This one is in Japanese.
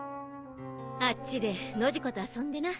あっちでノジコと遊んでな。